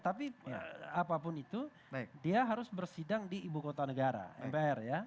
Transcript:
tapi apapun itu dia harus bersidang di ibu kota negara mpr ya